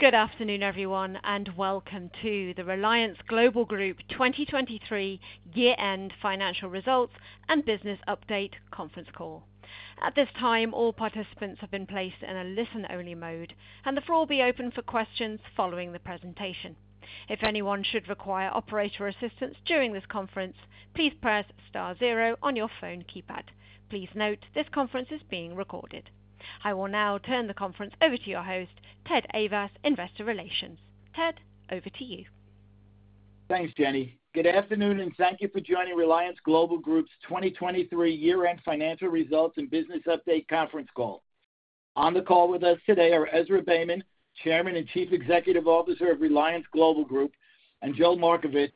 Good afternoon, everyone, and welcome to the Reliance Global Group 2023 Year-End Financial Results and Business Update Conference Call. At this time, all participants have been placed in a listen-only mode, and the floor will be open for questions following the presentation. If anyone should require operator assistance during this conference, please press star zero on your phone keypad. Please note, this conference is being recorded. I will now turn the conference over to your host, Ted Ayvas, Investor Relations. Ted, over to you. Thanks, Jenny. Good afternoon, and thank you for joining Reliance Global Group's 2023 Year-End Financial Results and Business Update Conference Call. On the call with us today are Ezra Beyman, Chairman and Chief Executive Officer of Reliance Global Group, and Joel Markovits,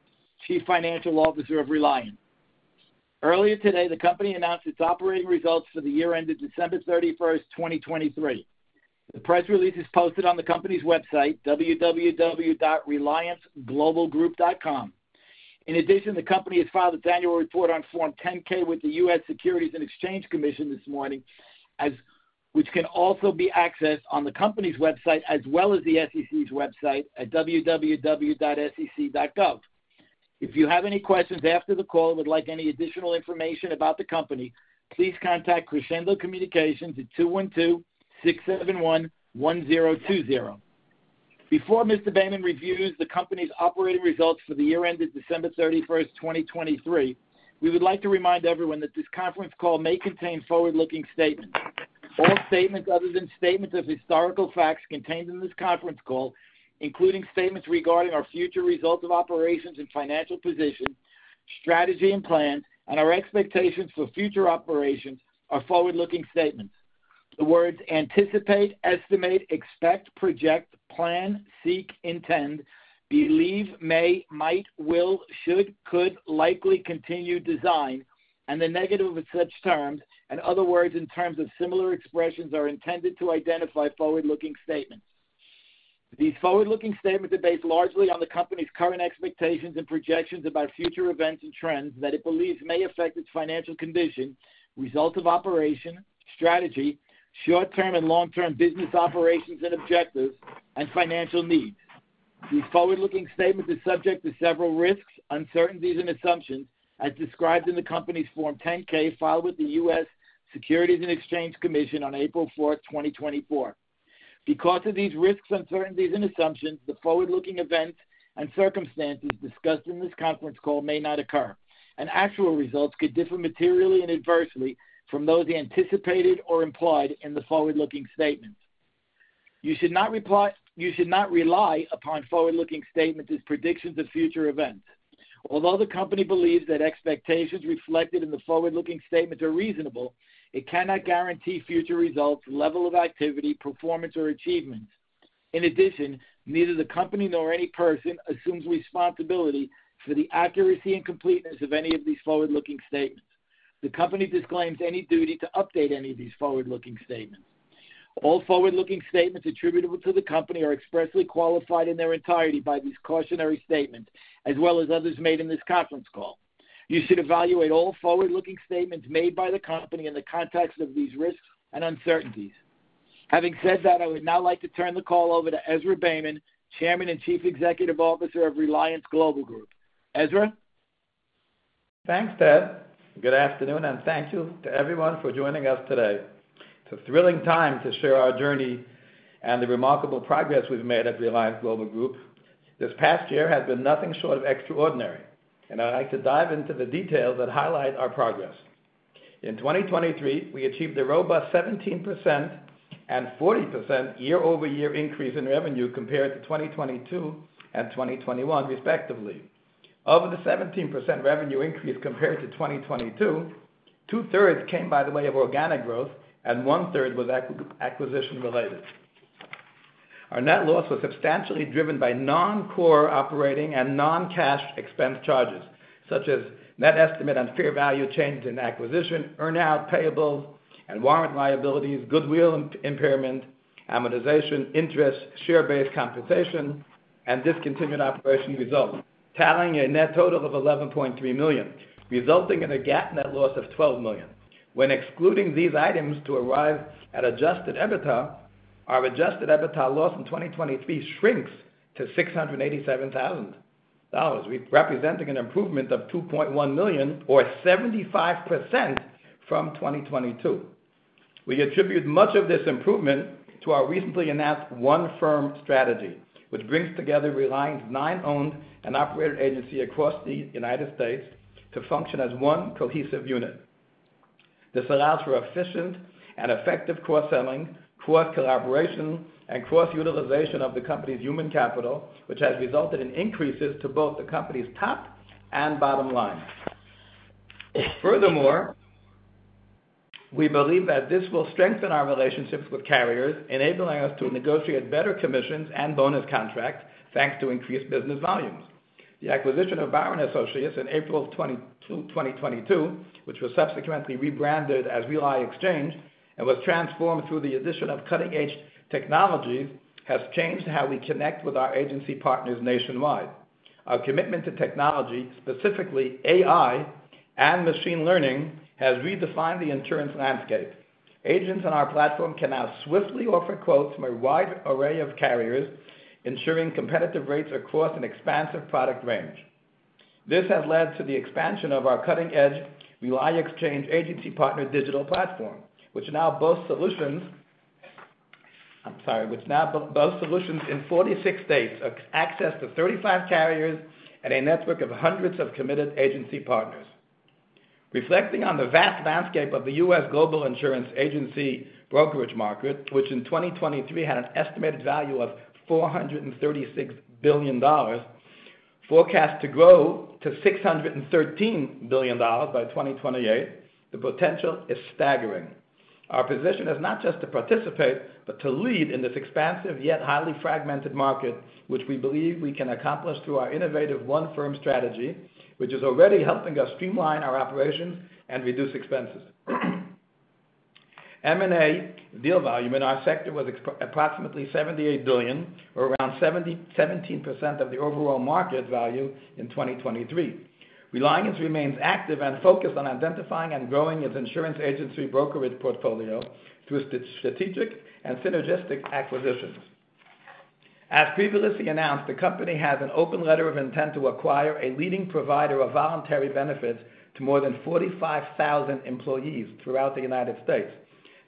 Chief Financial Officer of Reliance. Earlier today, the company announced its operating results for the year ended December 31st, 2023. The press release is posted on the company's website, www.relianceglobalgroup.com. In addition, the company has filed its annual report on Form 10-K with the U.S. Securities and Exchange Commission this morning, which can also be accessed on the company's website as well as the SEC's website at www.sec.gov. If you have any questions after the call and would like any additional information about the company, please contact Crescendo Communications at 212-671-1020. Before Mr. Beyman reviews the company's operating results for the year ended December 31st, 2023. We would like to remind everyone that this conference call may contain forward-looking statements. All statements other than statements of historical facts contained in this conference call, including statements regarding our future results of operations and financial position, strategy and plans, and our expectations for future operations, are forward-looking statements. The words "anticipate, estimate, expect, project, plan, seek, intend, believe, may, might, will, should, could, likely, continue, design," and the negative of such terms, in other words, in terms of similar expressions, are intended to identify forward-looking statements. These forward-looking statements are based largely on the company's current expectations and projections about future events and trends that it believes may affect its financial condition, results of operation, strategy, short-term and long-term business operations and objectives, and financial needs. These forward-looking statements are subject to several risks, uncertainties, and assumptions, as described in the company's Form 10-K filed with the U.S. Securities and Exchange Commission on April 4th, 2024. Because of these risks, uncertainties, and assumptions, the forward-looking events and circumstances discussed in this conference call may not occur, and actual results could differ materially and adversely from those anticipated or implied in the forward-looking statements. You should not rely upon forward-looking statements as predictions of future events. Although the company believes that expectations reflected in the forward-looking statements are reasonable, it cannot guarantee future results, level of activity, performance, or achievements. In addition, neither the company nor any person assumes responsibility for the accuracy and completeness of any of these forward-looking statements. The company disclaims any duty to update any of these forward-looking statements. All forward-looking statements attributable to the company are expressly qualified in their entirety by these cautionary statements, as well as others made in this conference call. You should evaluate all forward-looking statements made by the company in the context of these risks and uncertainties. Having said that, I would now like to turn the call over to Ezra Beyman, Chairman and Chief Executive Officer of Reliance Global Group. Ezra? Thanks, Ted. Good afternoon, and thank you to everyone for joining us today. It's a thrilling time to share our journey and the remarkable progress we've made at Reliance Global Group. This past year has been nothing short of extraordinary, and I'd like to dive into the details that highlight our progress. In 2023, we achieved a robust 17% and 40% year-over-year increase in revenue compared to 2022 and 2021, respectively. Of the 17% revenue increase compared to 2022, two-thirds came by the way of organic growth, and one-third was acquisition-related. Our net loss was substantially driven by non-core operating and non-cash expense charges, such as net estimate and fair value changes in acquisition, earn-out payables, and warrant liabilities, goodwill impairment, amortization, interest, share-based compensation, and discontinued operation results, tallying a net total of $11.3 million, resulting in a GAAP net loss of $12 million. When excluding these items to arrive at Adjusted EBITDA, our Adjusted EBITDA loss in 2023 shrinks to $687,000, representing an improvement of $2.1 million or 75% from 2022. We attribute much of this improvement to our recently announced One Firm Strategy, which brings together Reliance's nine-owned and operated agencies across the United States to function as one cohesive unit. This allows for efficient and effective cross-selling, cross-collaboration, and cross-utilization of the company's human capital, which has resulted in increases to both the company's top and bottom line. Furthermore, we believe that this will strengthen our relationships with carriers, enabling us to negotiate better commissions and bonus contracts thanks to increased business volumes. The acquisition of Barra & Associates in April of 2022, which was subsequently rebranded as RELI Exchange and was transformed through the addition of cutting-edge technologies, has changed how we connect with our agency partners nationwide. Our commitment to technology, specifically AI and machine learning, has redefined the insurance landscape. Agents on our platform can now swiftly offer quotes from a wide array of carriers, ensuring competitive rates across an expansive product range. This has led to the expansion of our cutting-edge RELI Exchange agency partner digital platform, which now boasts solutions in 46 states, access to 35 carriers, and a network of hundreds of committed agency partners. Reflecting on the vast landscape of the U.S. global insurance agency brokerage market, which in 2023 had an estimated value of $436 billion, forecast to grow to $613 billion by 2028, the potential is staggering. Our position is not just to participate but to lead in this expansive yet highly fragmented market, which we believe we can accomplish through our innovative One Firm Strategy, which is already helping us streamline our operations and reduce expenses. M&A deal volume in our sector was approximately $78 billion, or around 17% of the overall market value in 2023. Reliance remains active and focused on identifying and growing its insurance agency brokerage portfolio through strategic and synergistic acquisitions. As previously announced, the company has an open letter of intent to acquire a leading provider of voluntary benefits to more than 45,000 employees throughout the United States.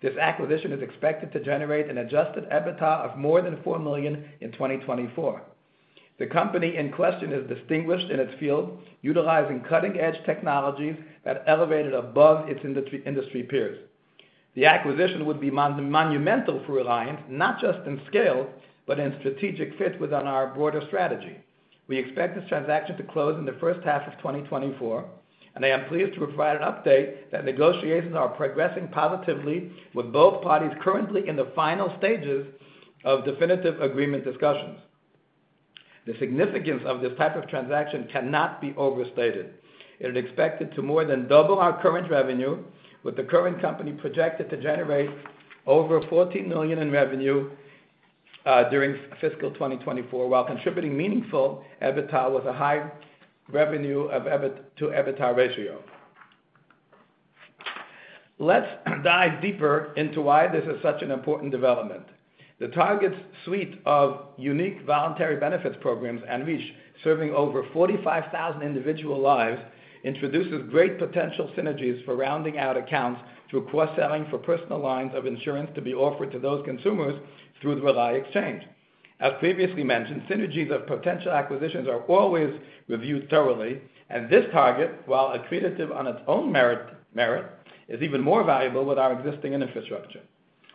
This acquisition is expected to generate an Adjusted EBITDA of more than $4 million in 2024. The company in question is distinguished in its field, utilizing cutting-edge technologies that elevated above its industry peers. The acquisition would be monumental for Reliance, not just in scale but in strategic fit within our broader strategy. We expect this transaction to close in the first half of 2024, and I am pleased to provide an update that negotiations are progressing positively with both parties currently in the final stages of definitive agreement discussions. The significance of this type of transaction cannot be overstated. It is expected to more than double our current revenue, with the current company projected to generate over $14 million in revenue during fiscal 2024 while contributing meaningful EBITDA with a high revenue-to-EBITDA ratio. Let's dive deeper into why this is such an important development. The target's suite of unique voluntary benefits programs and reach, serving over 45,000 individual lives, introduces great potential synergies for rounding out accounts through cross-selling for personal lines of insurance to be offered to those consumers through the RELI Exchange. As previously mentioned, synergies of potential acquisitions are always reviewed thoroughly, and this target, while accretive on its own merit, is even more valuable with our existing infrastructure.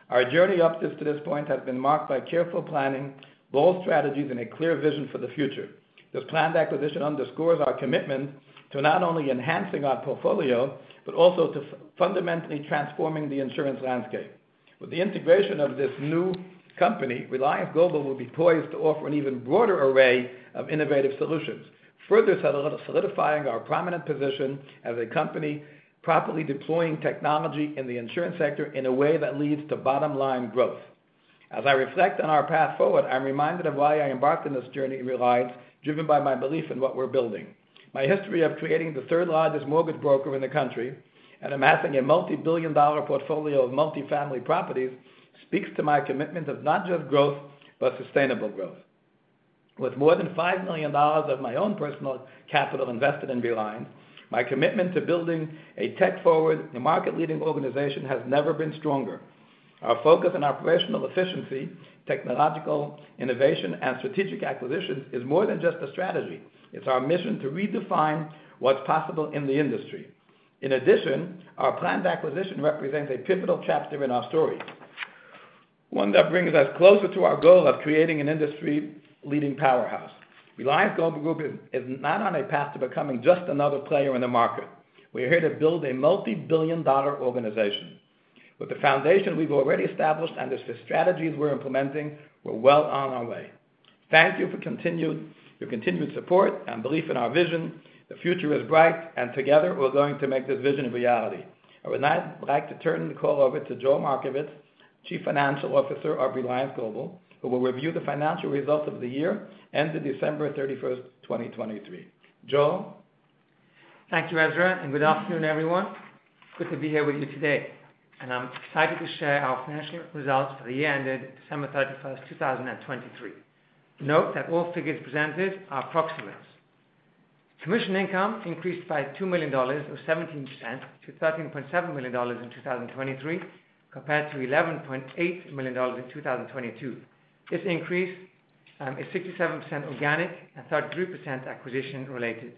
Our journey up to this point has been marked by careful planning, bold strategies, and a clear vision for the future. This planned acquisition underscores our commitment to not only enhancing our portfolio but also to fundamentally transforming the insurance landscape. With the integration of this new company, Reliance Global will be poised to offer an even broader array of innovative solutions, further solidifying our prominent position as a company properly deploying technology in the insurance sector in a way that leads to bottom-line growth. As I reflect on our path forward, I'm reminded of why I embarked on this journey in Reliance, driven by my belief in what we're building. My history of creating the third-largest mortgage broker in the country and amassing a multi-billion-dollar portfolio of multifamily properties speaks to my commitment to not just growth but sustainable growth. With more than $5 million of my own personal capital invested in Reliance, my commitment to building a tech-forward, market-leading organization has never been stronger. Our focus on operational efficiency, technological innovation, and strategic acquisitions is more than just a strategy. It's our mission to redefine what's possible in the industry. In addition, our planned acquisition represents a pivotal chapter in our story, one that brings us closer to our goal of creating an industry-leading powerhouse. Reliance Global Group is not on a path to becoming just another player in the market. We are here to build a multi-billion-dollar organization. With the foundation we've already established and the strategies we're implementing, we're well on our way. Thank you for your continued support and belief in our vision. The future is bright, and together we're going to make this vision a reality. I would now like to turn the call over to Joel Markovits, Chief Financial Officer of Reliance Global, who will review the financial results of the year ended December 31st, 2023. Joel? Thank you, Ezra, and good afternoon, everyone. Good to be here with you today, and I'm excited to share our financial results for the year ended December 31st, 2023. Note that all figures presented are approximates. Commission income increased by $2 million, or 17%, to $13.7 million in 2023 compared to $11.8 million in 2022. This increase is 67% organic and 33% acquisition-related.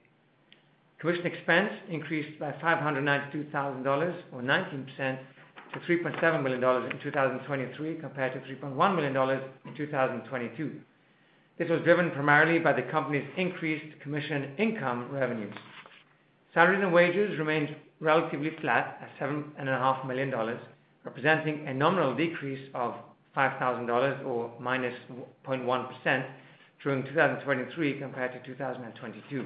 Commission expense increased by $592,000, or 19%, to $3.7 million in 2023 compared to $3.1 million in 2022. This was driven primarily by the company's increased commission income revenues. Salaries and wages remained relatively flat at $7.5 million, representing a nominal decrease of $5,000, or -0.1%, during 2023 compared to 2022.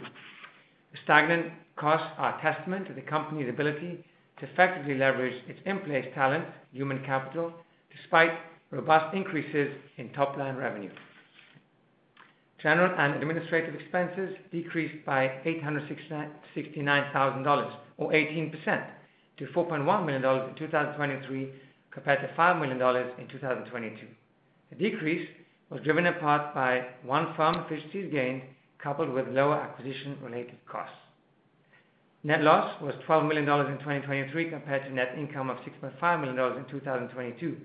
The stagnant costs are a testament to the company's ability to effectively leverage its in-place talent, human capital, despite robust increases in top-line revenue. General and administrative expenses decreased by $869,000, or 18%, to $4.1 million in 2023 compared to $5 million in 2022. The decrease was driven in part by One Firm efficiencies gained coupled with lower acquisition-related costs. Net loss was $12 million in 2023 compared to net income of $6.5 million in 2022.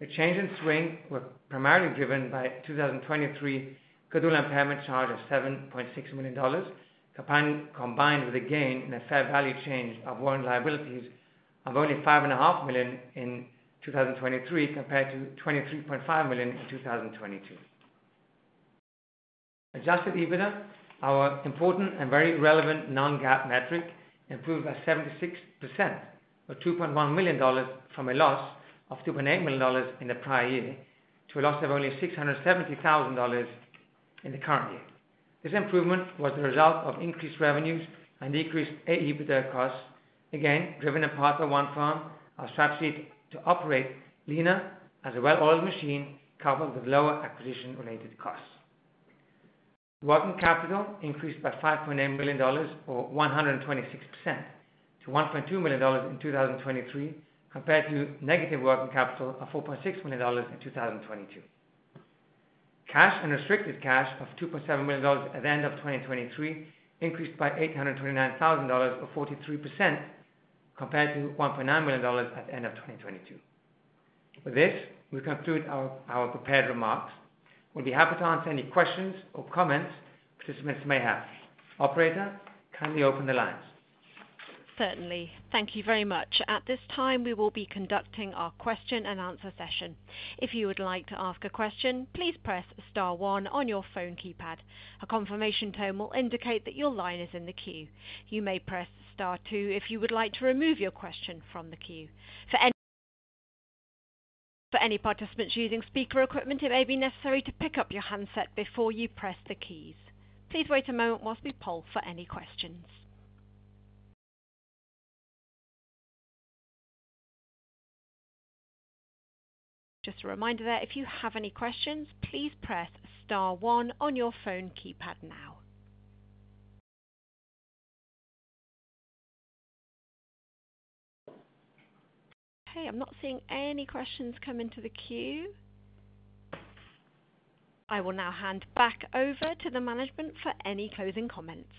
The change in swing was primarily driven by 2023 goodwill impairment charge of $7.6 million, combined with a gain in a fair value change of warrant liabilities of only $5.5 million in 2023 compared to $23.5 million in 2022. Adjusted EBITDA, our important and very relevant non-GAAP metric, improved by 76%, or $2.1 million, from a loss of $2.8 million in the prior year to a loss of only $670,000 in the current year. This improvement was the result of increased revenues and decreased EBITDA costs, again driven in part by One Firm, our strategy to operate RELI as a well-oiled machine coupled with lower acquisition-related costs. Working capital increased by $5.8 million, or 126%, to $1.2 million in 2023 compared to negative working capital of $4.6 million in 2022. Cash and restricted cash of $2.7 million at the end of 2023 increased by $829,000, or 43%, compared to $1.9 million at the end of 2022. With this, we conclude our prepared remarks. We'll be happy to answer any questions or comments participants may have. Operator, kindly open the lines. Certainly. Thank you very much. At this time, we will be conducting our question-and-answer session. If you would like to ask a question, please press star one on your phone keypad. A confirmation tone will indicate that your line is in the queue. You may press star two if you would like to remove your question from the queue. For any participants using speaker equipment, it may be necessary to pick up your handset before you press the keys. Please wait a moment while we poll for any questions. Just a reminder there, if you have any questions, please press star one on your phone keypad now. Okay, I'm not seeing any questions come into the queue. I will now hand back over to the management for any closing comments.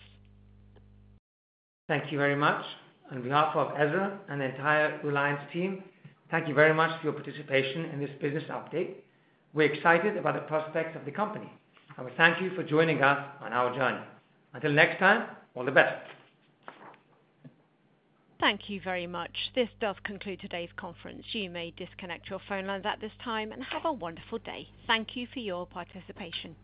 Thank you very much. On behalf of Ezra and the entire Reliance team, thank you very much for your participation in this business update. We're excited about the prospects of the company, and we thank you for joining us on our journey. Until next time, all the best. Thank you very much. This does conclude today's conference. You may disconnect your phone lines at this time and have a wonderful day. Thank you for your participation.